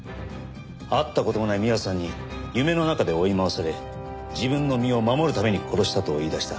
会った事もない美和さんに夢の中で追い回され自分の身を守るために殺したと言い出した。